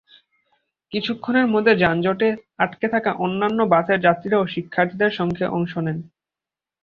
কিছুক্ষণের মধ্যে যানজটে আটকে থাকা অন্যান্য বাসের যাত্রীরাও শিক্ষার্থীদের সঙ্গে অংশ নেন।